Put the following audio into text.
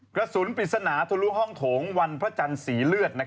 กระสุนปริศนาทะลุห้องโถงวันพระจันทร์สีเลือด